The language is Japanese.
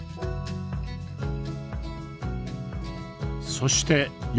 そして夜。